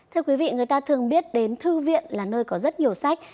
thưa quý vị người ta thường biết đến thư viện là nơi có rất nhiều sách